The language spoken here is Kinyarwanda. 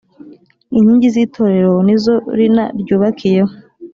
inkingi z'itorero nizo rina ryubakiyeho.